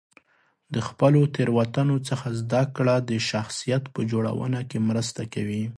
د خپلو تېروتنو څخه زده کړه د شخصیت په جوړونه کې مرسته کوي.